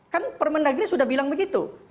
kan permendagri sudah bilang begitu